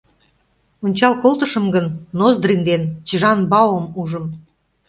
Ончал колтышым гын, Ноздрин ден Чжан-Баом ужым.